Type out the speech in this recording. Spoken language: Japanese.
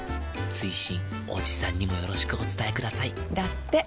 追伸おじさんにもよろしくお伝えくださいだって。